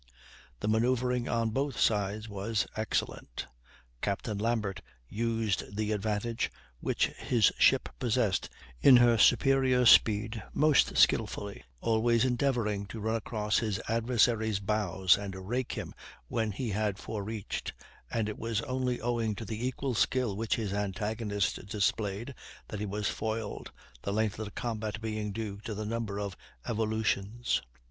The manoeuvring on both sides was excellent; Captain Lambert used the advantage which his ship possessed in her superior speed most skilfully, always endeavoring to run across his adversary's bows and rake him when he had forereached, and it was only owing to the equal skill which his antagonist displayed that he was foiled, the length of the combat being due to the number of evolutions.